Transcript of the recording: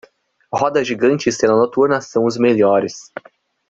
Roda gigante e cena noturna são os melhores